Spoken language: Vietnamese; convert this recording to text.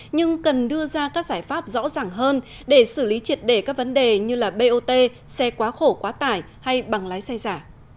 nhưng cần đưa ra các giải pháp rõ ràng hơn để xử lý triệt đề các vấn đề như bot xe quá khổ quá tải hay bằng lái xe giả